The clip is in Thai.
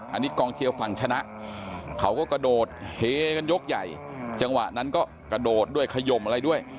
อันนี้กองเชียร์ฝั่งชนะเขาก็กระโดดเฮกันยกใหญ่จังหวะนั้นก็กระโดดด้วยขยมอะไรด้วย